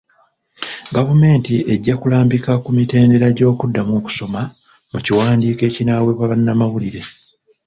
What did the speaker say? Gavumenti ejja kulambika ku mitendera gy'okuddamu okusoma mu kiwandiiko ekinaaweebwa bannamawulire.